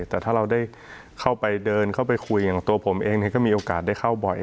แต่ถ้าเราได้เข้าไปเดินเข้าไปคุยอย่างตัวผมเองก็มีโอกาสได้เข้าบ่อย